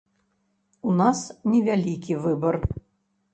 У нас невялікі выбар.